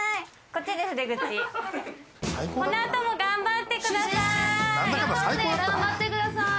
この後も頑張ってください。